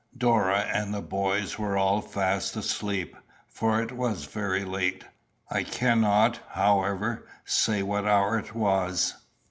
Dora and the boys were all fast asleep, for it was very late. I cannot, however, say what hour it was.